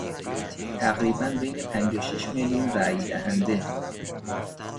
تقریبا بین پنج و شش میلیون رای دهنده